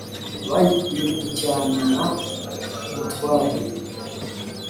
bayikubiye mu cya nyina w úmutware